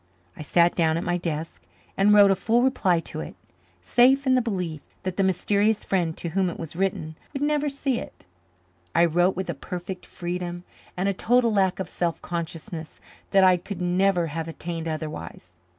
I sat down at my desk and wrote a full reply to it. Safe in the belief that the mysterious friend to whom it was written would never see it, I wrote with a perfect freedom and a total lack of self consciousness that I could never have attained otherwise.